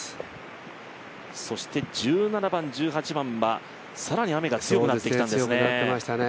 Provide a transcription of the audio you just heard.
そして１７番、１８番は更に雨が強くなってきたんですね。